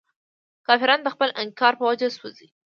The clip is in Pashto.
کافران د خپل انکار په وجه سوځي.